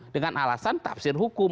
dengan alasan tafsir hukum